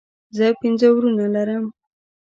زه پنځه وروڼه لرم